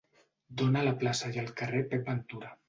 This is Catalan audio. Dóna a la plaça i al carrer Pep Ventura.